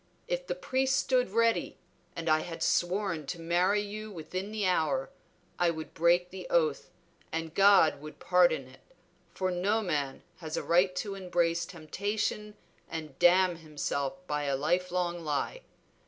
If the priest stood ready, and I had sworn to marry you within the hour, I would break the oath, and God would pardon it, for no man has a right to embrace temptation and damn himself by a life long lie.